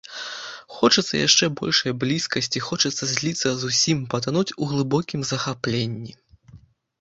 Хочацца яшчэ большай блізкасці, хочацца зліцца зусім, патануць у глыбокім захапленні.